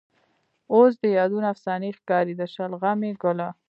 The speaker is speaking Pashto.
اوس د یادونه افسانې ښکاري. د شلغمې ګله